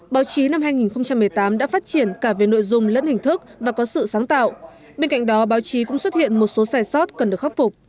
báo chí năm hai nghìn một mươi tám đã phát triển cả về nội dung lẫn hình thức và có sự sáng tạo bên cạnh đó báo chí cũng xuất hiện một số sai sót cần được khắc phục